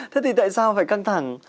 thế thì tại sao phải căng thẳng